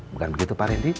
bukan begitu pak rendi